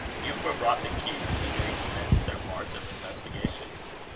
Euphra brought the keys, and they commenced their march of investigation.